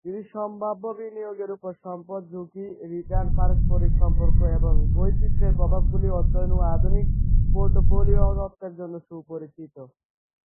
তিনি সম্ভাব্য বিনিয়োগের উপর সম্পদ ঝুঁকি, রিটার্ন, পারস্পরিক সম্পর্ক এবং বৈচিত্র্যের প্রভাবগুলি অধ্যয়ন ও আধুনিক পোর্টফোলিও তত্ত্বের জন্য সুপরিচিত।